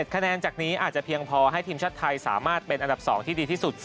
คะแนนจากนี้อาจจะเพียงพอให้ทีมชาติไทยสามารถเป็นอันดับ๒ที่ดีที่สุด